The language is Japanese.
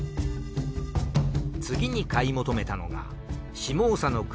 次に買い求めたのが下総国